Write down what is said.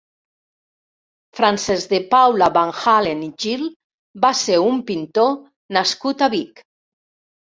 Francesc de Paula Van Halen i Gil va ser un pintor nascut a Vic.